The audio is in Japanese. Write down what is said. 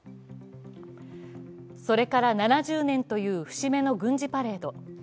それから７０年という節目の軍事パレード。